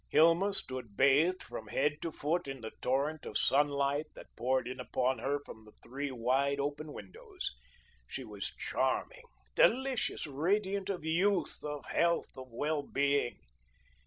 Hilma stood bathed from head to foot in the torrent of sunlight that poured in upon her from the three wide open windows. She was charming, delicious, radiant of youth, of health, of well being.